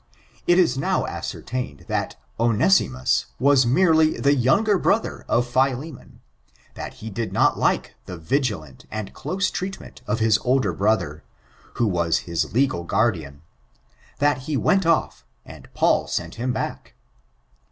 It is now ascertained, that Onesimus ^^^k^k^^^ OH ABOUXtOmSM. 547 ''' was merely the younger brother of Philemon— that he did not like the vigilant and close treatment of his older brother, who was his legal guardian — ^that he went off, and Paul sent him back.